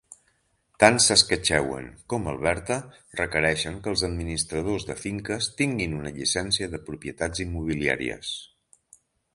Tant Saskatchewan com Alberta requereixen que els administradors de finques tinguin una llicència de propietats immobiliàries.